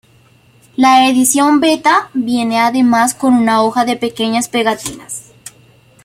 La edición beta viene además con una hoja de pequeñas pegatinas.